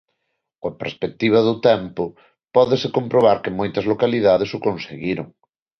Coa perspectiva do tempo pódese comprobar que moitas localidades o conseguiron.